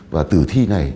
và tử thi này